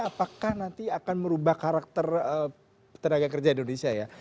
apakah nanti akan merubah karakter tenaga kerja indonesia ya